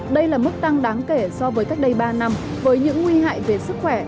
đây là mức tăng đáng kể so với cách đây ba năm với những nguy hại về sức khỏe